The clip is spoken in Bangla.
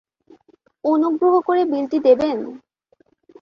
অনুগ্রহ করে বিলটি দেবেন?